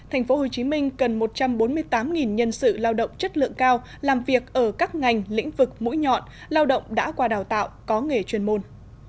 tp hcm cần một trăm bốn mươi tám nhân sự lao động chất lượng cao làm việc ở các ngành lĩnh vực mũi nhọn lao động đã qua đào tạo có nghề chuyên môn